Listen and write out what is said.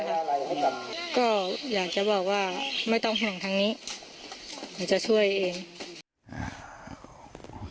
ก็อยากจะบอกว่าไม่ต้องห่วงทางนี้เราจะช่วยเอง